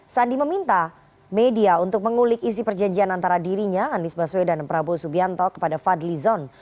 sandi meminta media untuk mengulik isi perjanjian antara dirinya anies baswedan dan prabowo subianto kepada fadli zon